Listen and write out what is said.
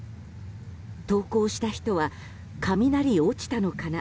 投稿した人は雷落ちたのかな？